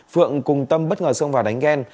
phượng cùng tâm bất ngờ xông vào đánh ghen